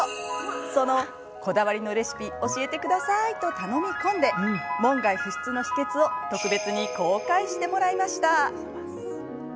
そのこだわりのレシピ教えてくださいと頼み込んで門外不出の秘けつを特別に公開してもらいました。